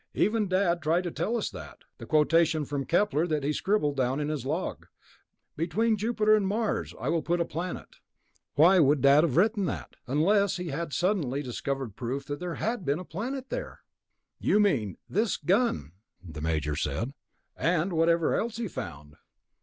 "Even Dad tried to tell us that. The quotation from Kepler that he scribbled down in his log ... 'Between Jupiter and Mars I will put a planet.' Why would Dad have written that? Unless he had suddenly discovered proof that there had been a planet there?" "You mean this ... this gun," the Major said. "And whatever else he found."